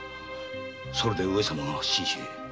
それで上様が信州へ？